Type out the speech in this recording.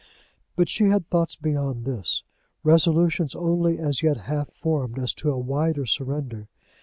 But she had thoughts beyond this, resolutions only as yet half formed as to a wider surrender.